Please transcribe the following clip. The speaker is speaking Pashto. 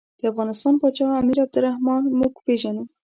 د افغانستان پاچا امیر عبدالرحمن موږ پېژنو.